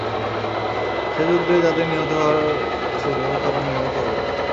সে যুদ্ধে যাদের নিহত হওয়ার ছিল তারা নিহত হল।